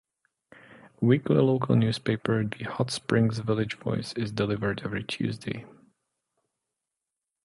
A weekly local newspaper, the "Hot Springs Village Voice", is delivered every Tuesday.